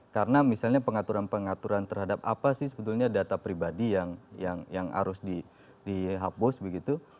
karena misalnya pengaturan pengaturan terhadap apa sih sebetulnya data pribadi yang harus dihapus begitu